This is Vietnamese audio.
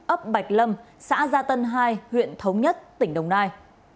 ấp bạch lâm xã gia tân hai huyện thống nhất tỉnh đồng nai